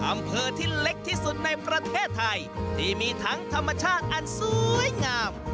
อำเภอที่เล็กที่สุดในประเทศไทยที่มีทั้งธรรมชาติอันสวยงาม